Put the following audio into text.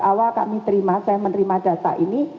awal kami terima saya menerima data ini